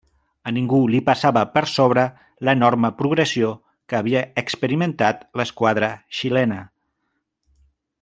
A ningú li passava per sobre l'enorme progressió que havia experimentat l'esquadra xilena.